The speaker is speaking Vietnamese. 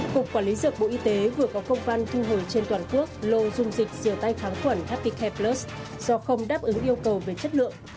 cục quản lý dược bộ y tế vừa có công văn thu hồi trên toàn quốc lô dung dịch siêu tay kháng quẩn happy care plus do không đáp ứng yêu cầu về chất lượng